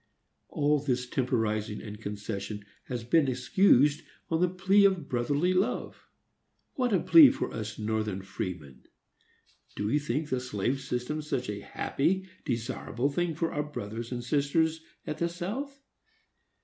All this temporizing and concession has been excused on the plea of brotherly love. What a plea for us Northern freemen! Do we think the slave system such a happy, desirable thing for our brothers and sisters at the South?